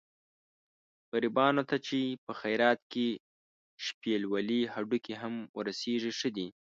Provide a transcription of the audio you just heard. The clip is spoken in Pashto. غریبانو ته چې په خیرات کې شپېلولي هډوکي هم ورسېږي ښه دي.